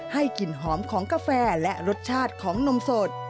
กลิ่นหอมของกาแฟและรสชาติของนมสด